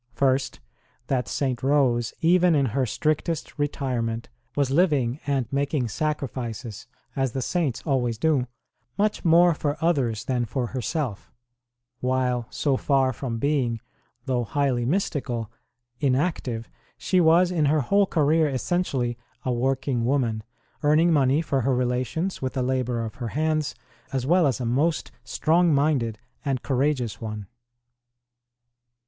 First, that St. Rose, even in her strictest retirement, was living and making sacri fices, as the saints always do, much more for others than for herself; while, so far from being, though highly mystical, inactive, she was in her whole career essentially a working woman, earning money for her relations with the labour of her hands, as well as a most strong minded and courageous one.